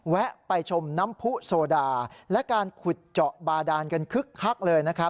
แวะไปชมน้ำผู้โซดาและการขุดเจาะบาดานกันคึกคักเลยนะครับ